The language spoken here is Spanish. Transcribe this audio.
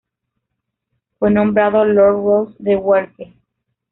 Fue nombrado Lord Ross de Werke.